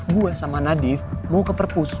gua sama nadif mau ke perpus